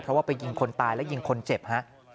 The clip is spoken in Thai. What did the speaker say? เพราะว่าไปยิงคนตายและยิงคนเจ็บฮะ